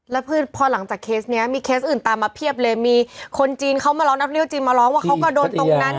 แล้วพอหลังจากเคสนี้มีเคสอื่นตามมาเพียบเลยมีคนจีนเขามาร้องรับเที่ยวจีนมาร้องว่าเขาก็โดนตรงนั้น